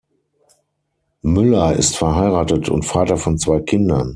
Müller ist verheiratet und Vater von zwei Kindern.